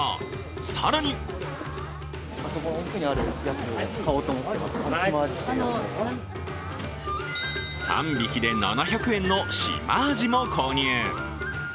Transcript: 更に３匹で７００円のシマアジも購入。